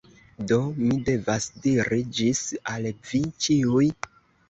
Do, mi devas diri ĝis al vi ĉiuj